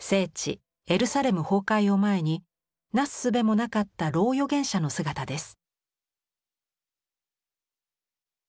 エルサレム崩壊を前になすすべもなかった老預言者の姿です。